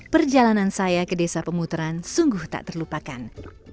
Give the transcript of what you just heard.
perjalanan saya ke desa pemutaran sungguh tak terlupakan